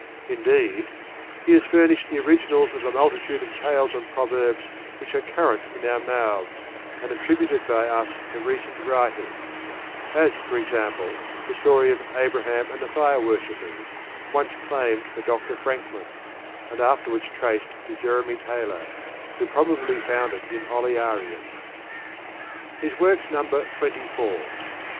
Indeed, "He has furnished the originals of a multitude of taJes and proverbs which are current in our mouths, and attributed by ui* to recent writers ; as, for example, the story of * Abraham and the Fire worshippers, once claimed for Doctor Franklin, and afterward traced to Jeremy Taylor, who probably found it in Olearius.*' His works number twenty four.'